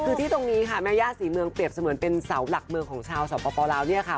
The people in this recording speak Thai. คือที่ตรงนี้ค่ะแม่ย่าศรีเมืองเปรียบเสมือนเป็นเสาหลักเมืองของชาวสปลาวเนี่ยค่ะ